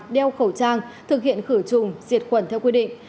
đeo khẩu trang thực hiện khử trùng diệt khuẩn theo quy định